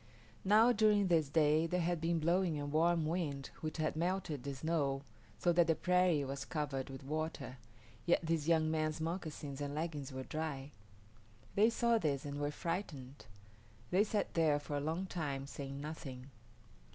Now during this day there had been blowing a warm wind which had melted the snow, so that the prairie was covered with water, yet this young man's moccasins and leggings were dry. They saw this, and were frightened. They sat there for a long time, saying nothing.